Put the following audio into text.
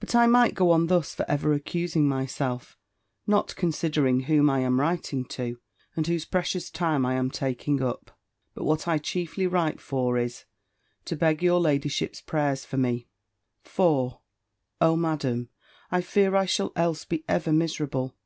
"But I might go on thus for ever accusing myself, not considering whom I am writing to, and whose precious time I am taking up. But what I chiefly write for is, to beg your ladyship's prayers for me. For, oh! Madam, I fear I shall else be ever miserable!